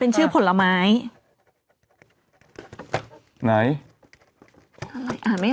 ขออีกทีอ่านอีกที